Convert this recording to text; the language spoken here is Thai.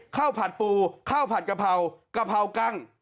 ผัดปูข้าวผัดกะเพรากะเพรากั้ง